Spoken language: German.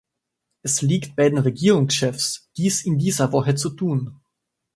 Es liegt bei den Regierungschefs, dies in dieser Woche zu tun.